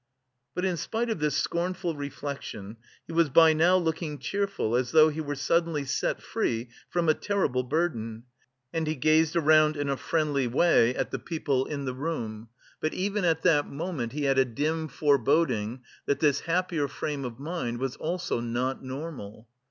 But in spite of this scornful reflection, he was by now looking cheerful as though he were suddenly set free from a terrible burden: and he gazed round in a friendly way at the people in the room. But even at that moment he had a dim foreboding that this happier frame of mind was also not normal.